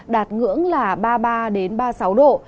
đạt ngưỡng là ba mươi ba ba mươi sáu độ